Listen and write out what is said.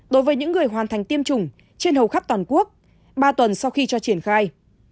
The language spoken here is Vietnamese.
đối với những người hoàn thành tiêm chủng trên hầu khắp toàn quốc ba tuần sau khi cho triển khai